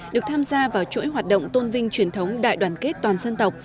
được tham gia vào chuỗi hoạt động tôn vinh truyền thống đại đoàn kết toàn dân tộc